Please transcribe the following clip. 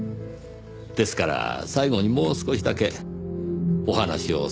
ですから最後にもう少しだけお話をさせてもらえませんか？